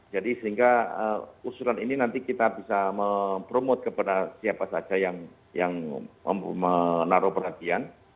jadi sehingga usulan ini nanti kita bisa mempromote kepada siapa saja yang menaruh perhatian